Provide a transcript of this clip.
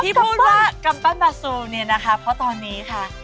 พี่พูดว่ากัมปั้นบาซู้ไงนะครับเพราะตัวนี้ค่ะ